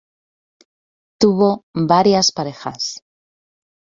Tuvo varias parejas.